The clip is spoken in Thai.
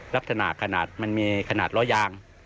ลักษณะขนาดมันมีขนาดล้อยาง